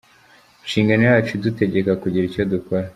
Inshingano yacu idutegeka kugira icyo dukora.